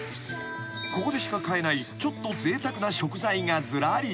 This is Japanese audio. ［ここでしか買えないちょっとぜいたくな食材がずらり］